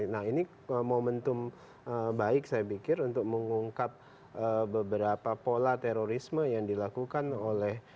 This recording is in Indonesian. nah ini momentum baik saya pikir untuk mengungkap beberapa pola terorisme yang dilakukan oleh